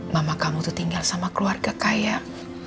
mama kamu tuh tinggal sama familynya itu